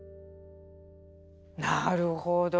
なるほど。